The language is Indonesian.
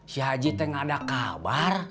si haji tengah ada kabar